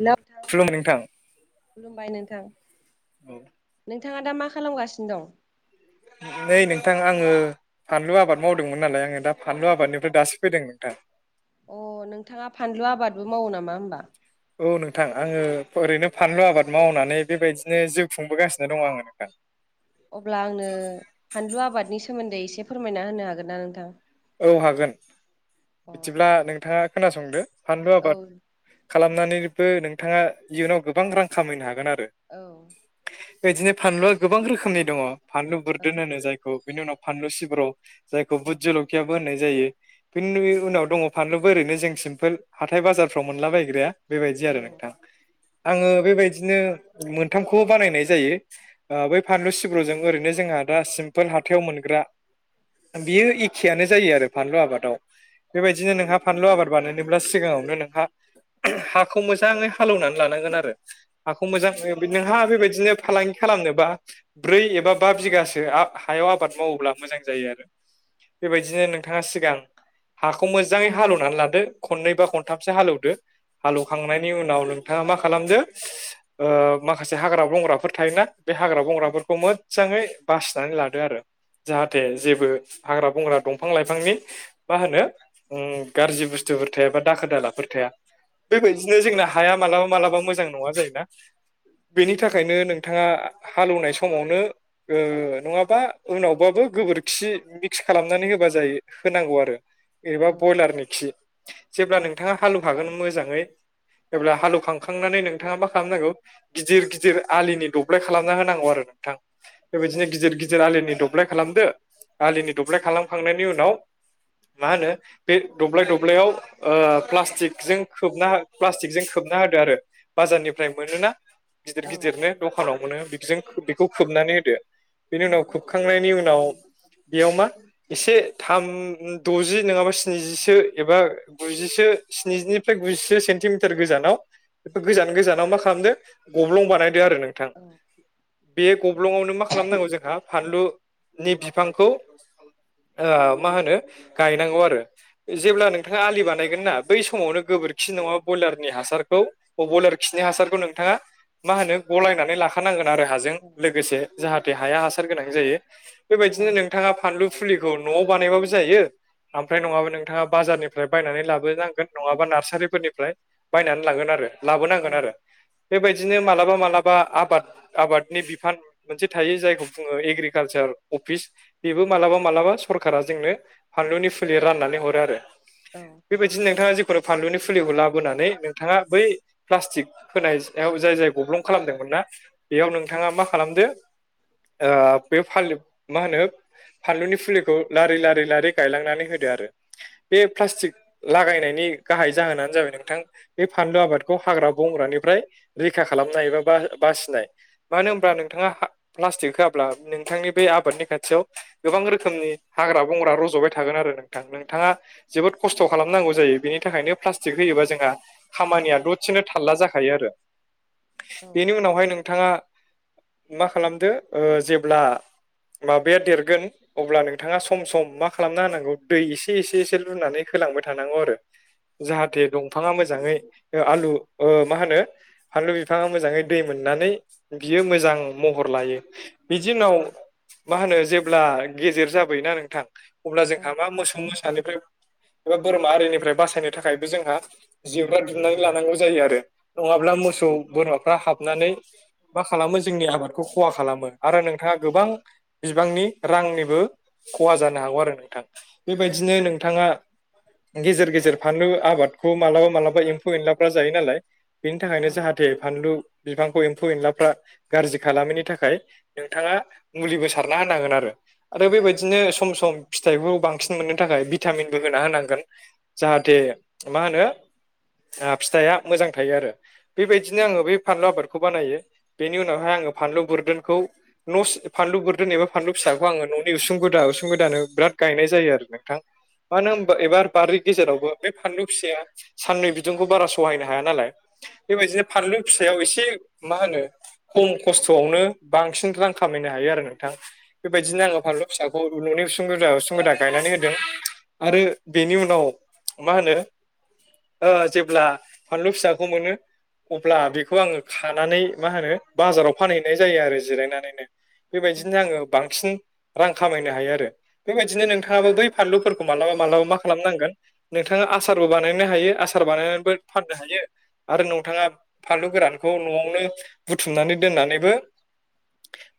Hello खुलुमबाय नोंथां खुलुमबाय नोंथां नोंथाङा दा मा खालामगासिनो दं [unintelligible] नै नोंथां आङो फानलु आबाद मावदोंमोन नालाय आङो दा फानलु आबादनिफ्राय दासो फैदों नोंथां अ नोंथाङा फानलु आबादबो मावो नामा होमबा औ नोंथां आङो ओरैनो फानलु आबाद मावनानै बेबायदिनो जिउ खुंबोगासिनो दङ आङो नोंथां अब्ला आंनो फानलु आबादनि सोमोन्दै एसे फोरमायना होनो हागोन ना नोंथां औ हागोन अ बिदिब्ला नोंथाङा खोनासंदो फानलु औ आबाद खालामनानैबो नोंथाङा इयुनाव गोबां रां खामायनो हागोन आरो औ बेदिनो फानलुआ गोबां रोखोमनि दङ फानलु औ बुरदोन होनो जायखौ बिनि उनाव फानलु सिब्राव जायखौ औ बुध जल होननाय जायो बे उनाव दङ फानलुबो ओरैनो जों सिमपोल हाथाय बाजारफ्राव मोनला बायग्राया बेबायदि औ आरो नोंथां आङो बेबायदिनो मोनथामखौबो बानायनाय जायो बै फानलु सिब्रुजों ओरैनो जोंहा दा सिमपोल हाथायाव मोनग्रा बेयो खियानो जायो आरो फानलु आबादाव बेबायदिनो नोंहा फानलु आबाद बानायनोब्ला सिगाङावनो नोंहा। हाखौ मोजाङै हालौवनानै लानांगोन आरो हाखौ औ मोजाङै नोंहा बेबायदिनो फालांगि खालामनोबा ब्रै एबा बा बिगासो हायाव आबाद मावोब्ला मोजां जायो आरो। बेबायदिनो नोंथाङा सिगां हाखौ मोजाङै हालेवनानै लादो खननै बा खनथामसो हालौवदो। हालौवखांनायनि उनाव नोंथाङा मा खालामदो ओ माखासे हाग्रा बंग्राफोर थायोना। बे हाग्रा बंग्राफोरखौ मोजाङै बासिनानै लादो आरो जाहाथे जेबो हाग्रा बुंग्रा दंफां लाइफांनि मा होनो ओं गाज्रि बुस्थुफोर थाया बा दाखोर दालाफोर थाया। औ बेबायदिनो जोंना हाया मालाबा मालाबा मोजां नङा जायोना। बेनि थाखायनो नोंथाङा। हालौवनाय समावनो ओ नङाबा उनावबाबो गोबोरखि। थि खालामनानै होबा जायो होनांगौ आरो। एबा औ बयलारनि खि जेब्ला औ नोंथाङा हालौवफागोन मोजाङै एब्ला हालोवखांखांनानै नोंथाङा मा खालामनांगौ गिदिर गिदिर आलिनि दब्लाय खालामना होनांगौ आरो नोंथां। औ बेबायदिनो गिदिर गिदिर आलिनि दब्लाय खालामदो आलिनि दब्लाय खालामखांनायनि उनाव मा होनो बे दब्लाय दब्लायाव ओ प्लास्टिकजों खोबना प्लास्टिकजों खोब ना होदो आरो बाजारनिफ्राय मोनो ना गिदिर गिदिरनो दखानाव मोनो। बेजों बेखौ खोबनानै होदो बेनि उनाव खोबखांनायनि उनाव बेयाव मा एसे थाम द'जि नङाबा स्निजिसो एबा गुजिसो। स्निजिनिफ्राय गुजिसे सेन्टिमिटार गोजानाव बेफोर गोजान गोजानाव मा खालामदो गब्लं बानाय। दो आरो नोंथां बे गब्लंआवनो मा खालामनांगौ जोंहा फानलु नि बिफांखौ ओ मा होनो गायनांगौ आरो। जेब्ला नोंथाङा आलिबान नायगोन ना बै समावनो गोबोरखि नङा बयलारनि हासारखौ बयलार खिनि हासारखौ नोंथाङा मा होनो गलायनानै लाखानांगोन। आरो हाजों लोगोसे जाहाथे हाया हासार गोनां जायो बेबायदिनो नों फानलु फुलिखौ न'आव बानायबाबो जायो। ओमफ्राय नङाबा नोंथाङा बाजारनिफ्राय बायनानै लाबोनांगोन नङाबा नार्सारिफोरनिफ्राय बायनानै लांगोन आरो। लाबोनांगोन आरो बेबायदि। दिनो मालाबा मालाबा आबाद आबादनि बिफान मोनसे थायो जायखौ बुङो एग्रिकालसार। अफिस बेबो मालाबा मालाबा सरखारा जोंनो फानलुनि फुलि राननानै हरो आरो। औ बेबायदिनो नोंथाङा जे फोर फानलुनि फुलिखौ लाबोनानै नोंथाङा बै प्लास्टिक होनायायाव जाय जाय गब्लं खालामदोंमोन। ना बेयाव नोंथाङा मा खालामदो ओ बे फा मा होनो फानलुनि फुलिखौ लारि लारि लारि गायलांनानै होदो आरो। बे प्लास्टिक लागायनायनि गाहाय जाहोनानो जाबाय नोंथां बे फानलु आबादखौ हाग्रा बंग्रा। निफ्राय रैखा खालामनाय एबा बा-बासिनाय। मानो होनब्ला नोंथाङा प्लास्टिक होआब्ला नोंथांनि बे आबादनि खाथियाव गोबां रोखोमनि हाग्रा बंग्रा रज'बाय थागोन आरो नोंथां नोंथाङा जोबोद खस्थ' खालामनांगौ जायो। बेनि थाखायनो फ्लास्तिख होयोबा जोंहा खामानिया दसेनो थालला जाखायो आरो। बेनि उनावहाय नोंथाङा मा खालामदो ओ जेब्ला माबाया देरग गोन अब्ला नोंथाङा सम सम मा खालामना होनांगौ दै एसे एसे एसे लुनानै होलांबाय थानांगौ आरो। जाहाथे दंफाङा मोजाङै आलु ओ मा होनो फानलु बिफाङा मोजाङै दै मोनो। नानै बियो मोजां महर लायो। बिदि उनाव मा होनो जेब्ला गेजेर जाबोयोना नोंथां। अब्ला जोंहा मा मोसौ मोसानिफ्राय। एबा बोरमा आरिनिफ्राय बासायनो थाखायबो जोंहा जिउरा दुमनानै लानांगौ जायो आरो नङा। ब्ला मोसौ बोरमाफ्रा हाबनानै मा खालामो जोंनि आबादखौ खहा खालामो आरो नोंथाङा गोबां गोबां बिबांनि रांनिबो खहा जानो हागौ आरो नोंथां बेबायदिनो नोंथाङा गेजेर गेजेर फानलु आबादखौ मालाबा मालाबा एम्फौ एनलाफ्रा जायो नालाय बेनि थाखायनो जाहाथे फानलु बिफांखौ एम्फौ एनलाफ्रा गाज्रि खालामैनि थाखाय नोंथाङा मुलिबो सारना होनांगोन आरो। आरो बेबायदिनो सम सम फिथाइखौ बांसिन मोननो थाखाय भिटामिनबो होना होनांगोन जाहाथे मा होनो ओ फिथाइआ मोजां थायो आरो। बेबायदिनो आङो बै फानलु आबादखौ बानायो बेनि उनावहाय आं फानलु बोरदोनखौ नस फानलु बोरदोन एबा फानलु फिसा खौ आङो न'नि उसुं गोदा उसुं गोदानो बिराद गायनाय जायो आरो नोंथां। मानो औ होनबा एबार बारि गेजेरावबो बे फानलु फिसाया साननै बिदुंखौ बारा सहायनो हाया नालाय बेबायदिनो फानलु फिसायाव एसे मा होनो खम खस्थ'आवनो बांसिन रां खामायनो हायो आरो नोंथां। बेबायदिनो आङो फानलु फिसाखौ न'नि उसुं सुं गुदा उसुं गुदा गायनानै होदों आरो बेनि उनाव मा होनो ओ जेब्ला फानलु फिसाखौ मोनो अब्ला बेखौ आङो खानानै मा होनो बाजाराव फानहैनाय जायो आरो जिरायनानैनो। बेबायदिनो आङो बांसिन रां खामायनो हायो आरो। बेबायदिनो नोंथाङाबो बै फानलुफोरखौ मालाबा मालाबा मा खालामनांगोन नोंथाङा आसारबो बानायनो हायो आसार बानायनानैबो फाननो हायो। आरो नोंथाङा फानलु गोरानखौ न'आव नो बुथुमनानै दोननानैबो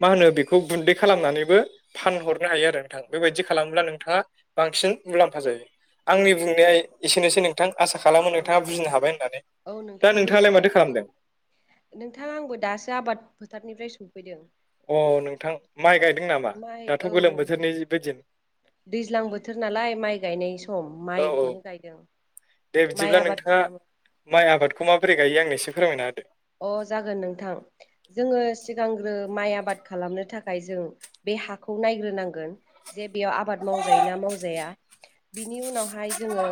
मा होनो बेखौ गुन्दै खालामनानैबो फानहरनो हायो आरो नोंथां बेबायदि खालामोब्ला नोंथाङा बांसिन मुलाम्फा जायो। आंनि बुंनाया एसेनोसै नोंथां आसा खालामो नोंथाङा औ बुजिनो हाबाय होननानै। औ दा नोंथां नोंथाङालाय बुजिबाय माथो खालामदों नोंथां। आंबो दासो आबाद फोथारनिफ्राय सौ अ नोंथां माइ गायदों नामा? माइ दाथ' औ गोलोम बोथोरनिबो दिन। दैज्लां बोथोर नालाय माइ गायनाय सम औ औ माइखौनो गायदों। दे माइ बिदिब्ला आबाद नोंथाङा खालामो माइ आबादखौ माबोरै गायो आंनो एसे फोरमायना होदो। अ जागोन नोंथां। जोङो सिगांग्रो माइ आबाद खालामनो थाखाय जों बे हाखौ नायग्रोनांगोन जे बेयाव आबाद मावजायोना मावजाया बिनि उनावहाय जोङो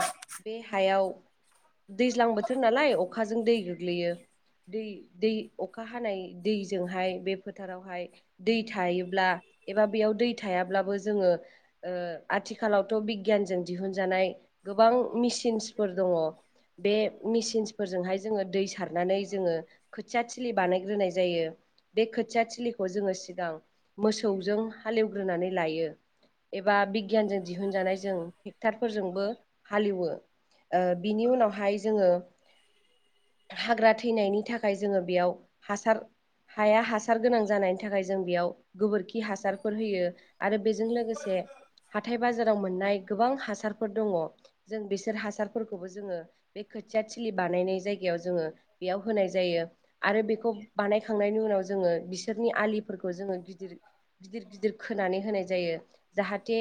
बे हायाव दैज्लां बोथोर नालाय अखाजों दै गोग्लैयो। दै दै अखा हानाय दैजोंहाय बे फोथारावहाय दै थायोब्ला एबा बेयाव दै थायाब्लाबो जोङो ओ आथिखालावथ' बिगियानजों दिहुनजानाय गोबां मेसिनसफोर दङ'। बे मेसिनसफोरजोंहाय जोङो दै सारनानै जोङो खोथिया थिलि बानायग्रोनाय जायो। बे खोथिया थिलिखौ जोङो सिगां मोसौजों हालेवग्रोनानै लायो। एबा बिगियानजों दिहुनजानाय जों ट्रेक्टरफोरजोंबो हालएवो। ओ बिनि उनावहाय जोङो हाग्रा थैनायनि थाखाय खाय जोङो बेयाव हासार हाया हासार गोनां जानायनि थाखाय जों बेयाव गोबोरखि खि हासारफोर होयो। आरो बेजों लोगोसे हाथाय बाजाराव मोननाय गोबां हासारफोर दङ' जों बिसोर हासारफोरखौबो जोङो बे खोथिया थिलि बानायनाय जायगायाव जोङो बेयाव होनाय जायो आरो बेखौ बानाय खांनायनि उनाव जोङो बिसोरनि आलिफोरखौ जोङो गिदिर गिदिर गिदिर खोनानै होनाय जायो। जाहाथे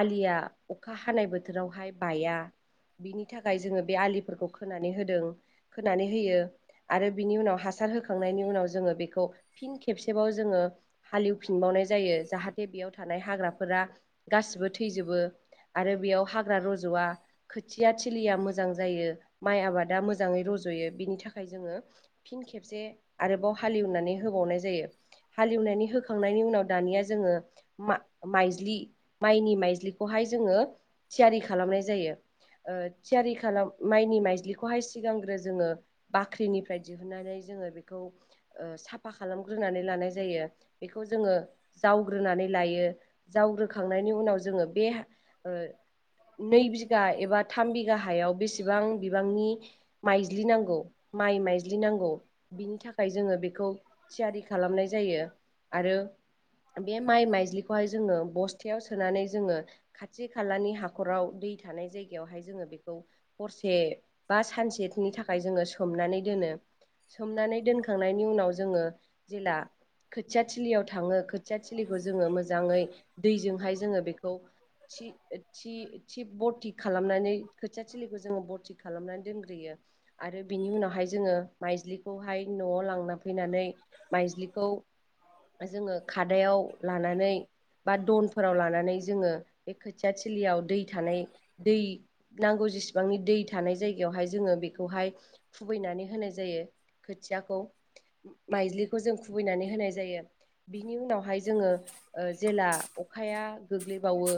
आलिया अखा हानाय बोथोरावहाय बाया। बिनि थाखाय जोङो बे आलिफोरखौ खोनानै होदों, खोनानै होयो। आरो बिनि उनाव हासार होखांनायनि उनाव जोङो बेखौ फिन खेबसेबाव जोङो हालेवफिनबावनाय जायो। जाहाथे बेयाव थानाय हाग्राफोरा गासिबो थैजोबो। आरो बेयाव हाग्रा रज'वा खोथिया थिलिया मोजां जायो माइ आबादा मोजाङै र जयो बिनि थाखाय जोंङो फिन खेबसे आरोबाव हालएवनानै होबावनाय जायो। हालिवनानै होखांनायनि उनाव दानिया जोङो मा-माइज्लि माइनि माइज्लिखौहाय जोङो थियारि खालामनाय जायो। ओ थियारि खालाम माइनि माइज्लिखौहाय सिगांग्रो जोङो बाख्रिनि फ्राय दिहुनन्नानै जोङो बेखौ ओ साफा खालामग्रोनानै लानाय जायो बेखौ जोङो जावग्रोनानै लायो जावग्रोखांनायनि उनाव जोङो बे हा ओ नै बिघा एबा थाम बिगा हायाव बेसेबां बिबांनि माइज्लि नांगौ माइ माइज्लि नांगौ बिनि थाखाय जोङो बेखौ थियारि खालामनाय जायो आरो बे माइ माइज्लिखौहाय जोङो बस्थायाव सोनानै जोङो खाथि खालानि हाखराव दै थानाय जायगायावहाय जोङो बेखौ हरसे बा सानसेनि थाखाय जोङो सोमनानै दोनो सोमनानै दोनखांनायनि उनाव जोङो जेला खोथिया थिलियाव थाङो खोथिया थिलिखौ जोङो मोजाङै दैजोंहाय जोङो बेखौ थि ओ थि थि बथि खालामनानै खोथिया थलिखौ जोङो बरथिक खालामनानै दोनग्रोयो आरो बिनि उनावहाय जोङो माइज्लिखौहाय न'आव लांना फैनानै माइज्लिखौ जोङो खादायाव लानानै बा दनफोराव लानानै जोङो बे खोथिया थलियाव दै थानाय दै नांगौ जेसिबांनि दै थानाय जायगायावहाय जोङो बेखौहाय खुबैनानै होनाय जा जायो खोथियाखौ माइज्लिखौ जों खुबैनानै होनाय जायो। बिनि उनावहाय जोङो ओ जेला अखाया गोग्लैबावो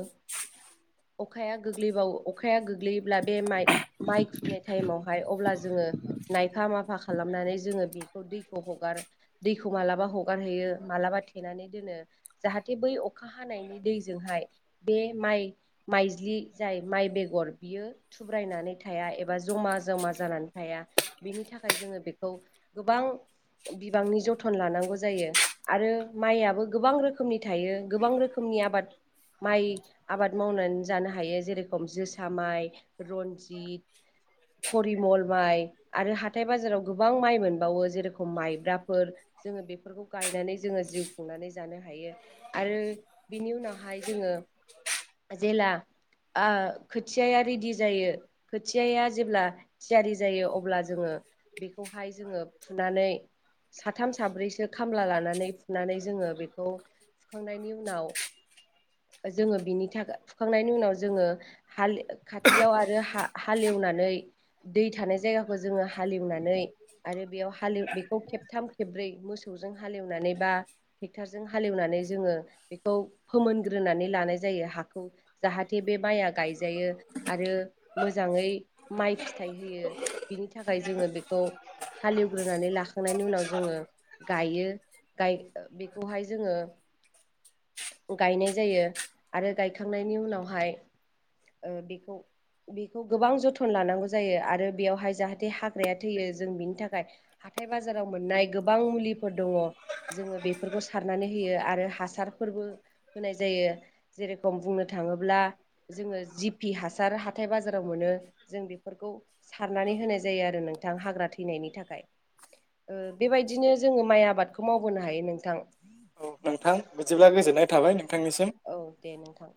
अखाया गोग्लैबावो अखाया गोग्लैयोब्ला बे माइ माइ खुबैनाय टाइमावहाय अब्ला जों ङो नायफा मा सफा खालामनानै जोङो बेखौ दैखौ हगार दैखौ मालाबा हगारहैयो मालाबा थेनानै दोन जाहाथे बै अखा हानायनि दैजोंहाय बे माइ माइज्लि जाय माइ बेगर बियो थुब्रायनानै थाया एबा जमा जमा जानानै थाया बेनि थाखाय थाखाय जोङो बेखौ गोबां बिबांनि जथन लानांगौ जायो आरो माइयाबो गोबां रोखोमनि थायो गोबां रोखोमनि आबाद माइ आबाद मावनानै जानो हायो जेरखम जोसा माइ रन्जित फरिमल माइ आरो हा थाइ बाजाराव गोबां माइ मोनबावो जेरखम माइब्राफोर जोङो बेफोरखौ गायनानै जोङो जिउ खुंनानै जानो हायो आरो बिनि उनावहाय जोङो जेला ओ खोथ खोथियाया रेडि जायो खोथियाया जेब्ला थियारि जायो अब्ला जोङो बेखौहाय जोङो फुनानै साथाम साब्रैसो खामला लानानै फुनानै जोङो बेखौ फुखांनायनि उनाव जोङो बिनि थाखा फुखांनायनि उनाव जोङो हाल खाथियाव आरो हा हालेवनानै दै थानाय जायगाखौ जोङो हालेवनानै आरो बेयाव हाले बेखौ खेबथाम खेब्रै मोसौजों हालेवनानै बा ट्रेक्टरजों हालेवनानै जोङो बेखौ फोमोनग्रोनानै लानाय जायो हाखौ जाहाथे बे माइआ गायजायो आरो मोजाङै माइ फिथाइ होयो बिनि था थाखाय जोङो बेखौ हालेवग्रोनानै लाखांनायनि उनाव जोङो गायो गाइ बेखौहाय जोङो गायनाय जायो आरो गायखांनायनि उनावहाय ओ बेखौ बेखौ गोबां जोथोन लानांगौ जायो आरो बेवहाय जाहाथे हाग्राया थैयो जों बिनि थाखाय हाथाय बाजाराव मोननाय गोबां मुलिफोर दङ' जोङो बेफोरखौ सारनानै होयो आरो हासार बो होनाय जायो जेरेखम बुंनो थाङोब्ला जोङो जिपि हासार हाथाय बाजा बाराव मोनो जों बेफोरखौ सारनानै होनाय जायो आरो नोंथां हाग्रा थैनायनि थाखाय ओ बेबायदिनो जोङो माइ आबादखौ मावबोनो हायो नोंथां। औ नोंथां बिदिब्ला गोजोननाय थाबाय नों औ दे नोंथां।